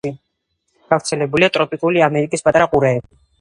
გავრცელებულია ტროპიკული ამერიკის პატარა ყურეებში.